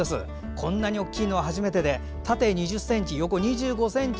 こんなに大きいのは初めてで縦２０ｃｍ、横２５ｃｍ。